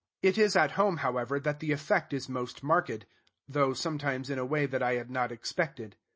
It is at home, however, that the effect is most marked, though sometimes in a way that I had not expected.